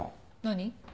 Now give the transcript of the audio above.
何？